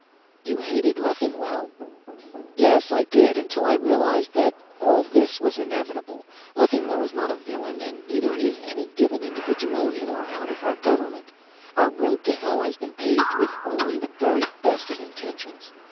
"You hated Leffingwell." "Yes, I did, until I realized that all this was inevitable. Leffingwell is not a villain and neither is any given individual, in or out of government. Our road to hell has been paved with only the very best of intentions.